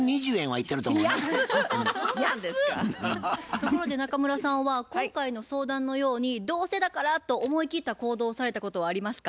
ところで中村さんは今回の相談のようにどうせだからと思い切った行動をされたことはありますか？